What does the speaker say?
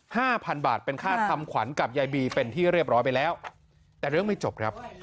ห้าพันบาทเป็นค่าทำขวัญกับยายบีเป็นที่เรียบร้อยไปแล้วแต่เรื่องไม่จบครับ